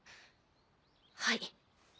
はい。